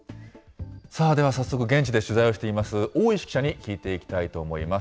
さあ、では早速現地で取材をしています、大石記者に聞いていきたいと思います。